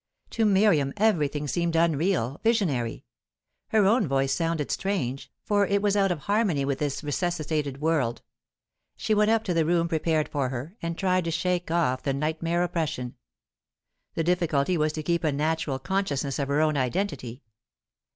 To Miriam everything seemed unreal, visionary; her own voice sounded strange, for it was out of harmony with this resuscitated world. She went up to the room prepared for her, and tried to shake off the nightmare oppression. The difficulty was to keep a natural consciousness of her own identity.